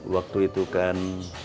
waktu itu kan